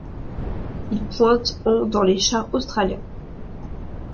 Il pointe en dans les charts australiens.